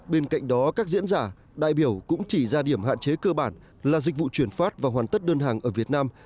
bên cạnh đó các diễn giả đại biểu cũng chỉ ra điểm hạn chế cơ bản là dịch vụ chuyển phát và hoàn tất đơn hàng ở việt nam